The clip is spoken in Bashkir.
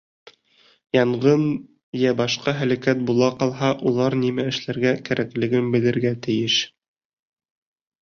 Янғын йә башҡа һәләкәт була ҡалһа, улар нимә эшләргә кәрәклеген белергә тейеш.